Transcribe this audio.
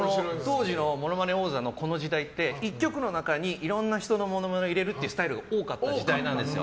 当時の「ものまね王座」のこの時代って１曲の中にいろんな人のモノマネを入れるスタイルが多かった時代なんですよ。